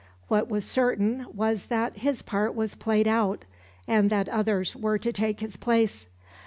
What was certain was that his part was played out, and that others were to take his place.